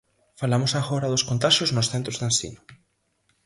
Falamos agora dos contaxios nos centros de ensino.